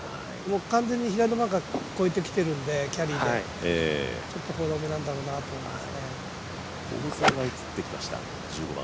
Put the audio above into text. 完全に左のバンカー越えてきてるんでキャリーで、ちょっとフォロー目なんだろうなって感じですね。